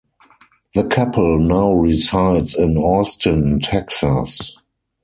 The couple now resides in Austin, Texas.